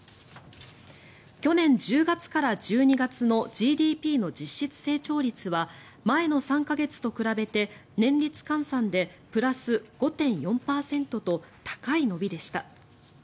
去年１０月から１２月のＧＤＰの実質成長率は前の３か月と比べて年率換算でプラス５．４％と高い伸びでした。